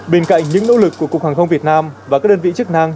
bên cạnh những nỗ lực của cục hàng không việt nam và các đơn vị chức năng